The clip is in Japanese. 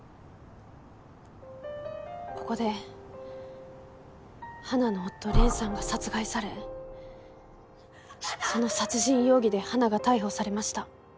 ここで花の夫蓮さんが殺害されその殺人容疑で花が逮捕されました。